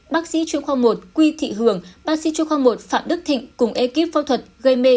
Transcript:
bác sĩ chuyên khoa một quy thị hường bác sĩ chuyên khoa một phạm đức thịnh cùng ekip phẫu thuật gây mê